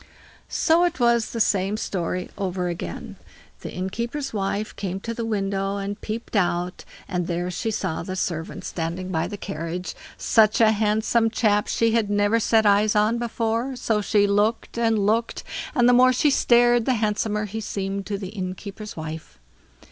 So it was the same story over again. The innkeeper's wife came to the window and peeped out, and there she saw the servant standing by the carriage. Such a handsome chap she had never set eyes on before; so she looked and looked, and the more she stared the handsomer he seemed to the innkeeper's wife.